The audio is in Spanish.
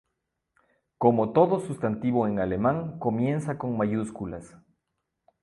Como todo sustantivo en alemán comienza con mayúsculas.